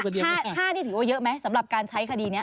ถ้านี่ถือว่าเยอะไหมสำหรับการใช้คดีนี้